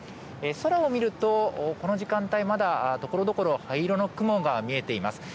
空を見るとこの時間帯、まだところどころ灰色の雲が見えています。